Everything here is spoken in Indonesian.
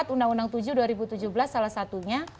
undang undang tujuh dua ribu tujuh belas salah satunya